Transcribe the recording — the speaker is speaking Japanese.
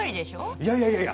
いやいやいやいや。